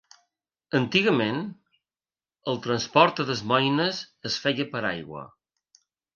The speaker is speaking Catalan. Antigament, el transport a Des Moines es feia per aigua.